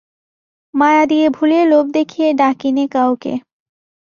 মায়া দিয়ে ভুলিয়ে লোভ দেখিয়ে ডাকি নে কাউকে।